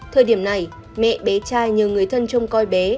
thời điểm này mẹ bé trai nhờ người thân chung coi bé